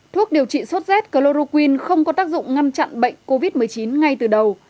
thuốc điều trị sốt z chloroquin không có tác dụng ngăn chặn bệnh covid một mươi chín ngay từ đầu